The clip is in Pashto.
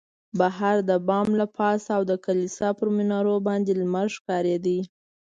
بهر د بامو له پاسه او د کلیسا پر منارو باندې لمر ښکارېده.